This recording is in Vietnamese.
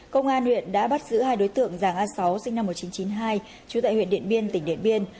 công an huyện đã bắt giữ hai đối tượng giàng a sáu sinh năm một nghìn chín trăm chín mươi hai trú tại huyện điện biên tỉnh điện biên